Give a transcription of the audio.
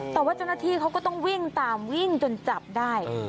แต่ว่าเจ้าหน้าที่เขาก็ต้องวิ่งตามวิ่งจนจับได้